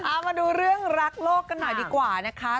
เอามาดูเรื่องรักโลกกันหน่อยดีกว่านะคะ